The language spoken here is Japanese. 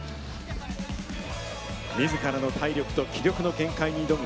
みずからの体力と気力の限界に挑む